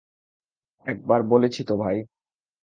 একবার বলেছি তো ভাই।